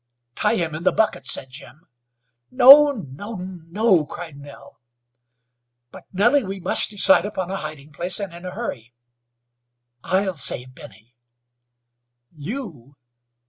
"Tie him in the bucket," said Jim. "No, no, no," cried Nell. "But Nellie, we must decide upon a hiding place, and in a hurry." "I'll save Benny." "You?